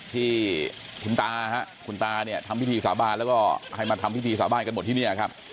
ที่คุณตาครับคุณตาเนี่ยทำพิธีสาบานแล้วก็ให้มาทำพิธีสาบานกันหมดที่นี่ครับ